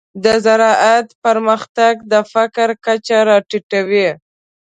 د زراعت پرمختګ د فقر کچه راټیټوي.